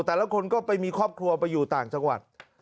แต่ละคนก็ไปมีครอบครัวไปอยู่ต่างจังหวัด